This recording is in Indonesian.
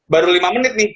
baru lima menit nih